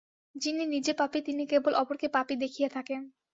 যিনি নিজে পাপী, তিনি কেবল অপরকে পাপী দেখিয়া থাকেন।